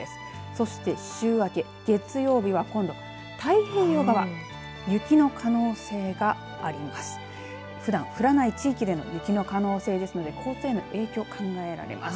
そして週明け月曜日は今度、太平洋側雪の可能性があります。